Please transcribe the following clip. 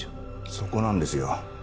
そこなんですよ。